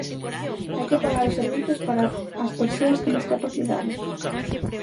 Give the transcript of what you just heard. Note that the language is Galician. ¿Hai que pagar os servizos para as persoas con discapacidade?